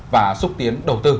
và xúc tiến đầu tư